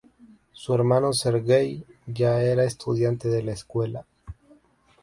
Su hermano Serguei ya era estudiante de la Escuela.